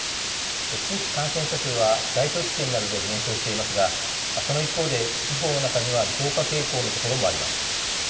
新規感染者数は大都市圏などで減少していますがその一方で地方の中には増加傾向の所もあります。